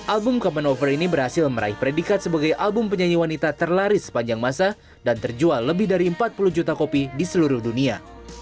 album common over ini berhasil meraih predikat sebagai album penyanyi wanita terlaris sepanjang masa dan terjual lebih dari empat puluh juta kopi di seluruh dunia